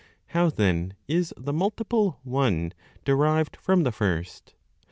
How then is the multiple One derived from the First?